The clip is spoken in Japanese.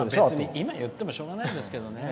今、言ってもしょうがないですけどね。